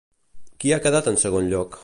Qui ha quedat en segon lloc?